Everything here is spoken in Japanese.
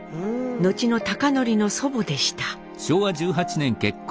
後の貴教の祖母でした。